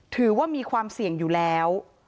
ถือว่ามีความเสี่ยงอยู่แล้ว